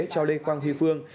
cho lê quang huy phương